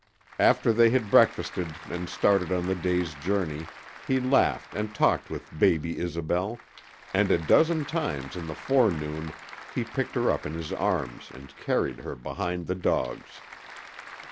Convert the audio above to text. After they had breakfasted and started on the day's journey he laughed and talked with baby Isobel, and a dozen times in the forenoon he picked her up in his arms and carried her behind the dogs.